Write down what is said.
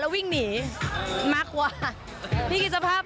ก็เหมือนกลุ่มตาย